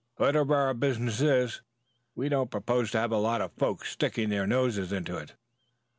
Whatever our business is, we don't propose to have a lot of folks sticking their noses into it."